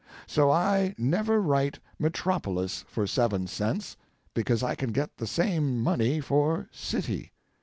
So I never write 'metropolis' for seven cents, because I can get the same money for 'city.'